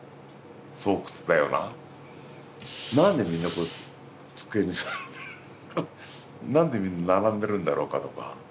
何でみんな机に座ってる何でみんな並んでるんだろうかとか。